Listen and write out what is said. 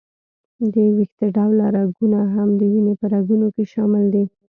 د وېښته ډوله رګونه هم د وینې په رګونو کې شامل دي.